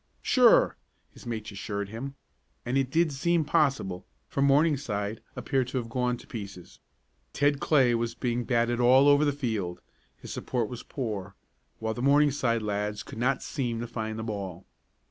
"Sure!" his mates assured him, and it did seem possible, for Morningside appeared to have gone to pieces. Ted Clay was being batted all over the field, his support was poor, while the Morningside lads could not seem to find the ball.